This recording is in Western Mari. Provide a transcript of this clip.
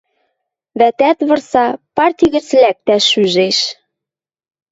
Вӓтӓт вырса, парти гӹц лӓктӓш ӱжеш.